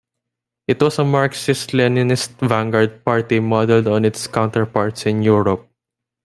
It was a Marxist-Leninist vanguard party modeled on its counterparts in Europe.